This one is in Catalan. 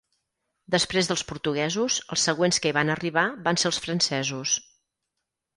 Després dels portuguesos, els següents que hi van arribar van ser els francesos.